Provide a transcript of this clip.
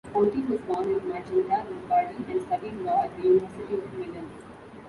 Ponti was born in Magenta, Lombardy and studied law at the University of Milan.